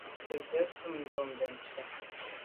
Nzenze tshob ndù à bèn jù fen.